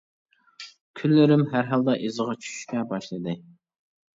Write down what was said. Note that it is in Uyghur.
كۈنلىرىم ھەر ھالدا ئىزىغا چۈشۈشكە باشلىدى.